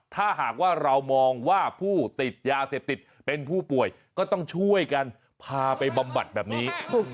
ถ้าหากว่าเรามองว่าผู้ติดยาเสพติดเป็นผู้ป่วยก็ต้องช่วยกันพาไปบำบัดแบบนี้